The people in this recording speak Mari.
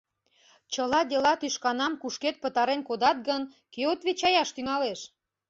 Чыла дела тӱшканам кушкед пытарен кодат гын, кӧ отвечаяш тӱҥалеш?